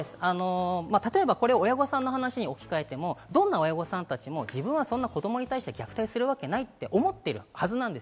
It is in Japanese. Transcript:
例えば親御さんの話に置き換えても、どんな親御さんたちも自分はそんな子供に対して虐待するわけないと思っているはずなんです。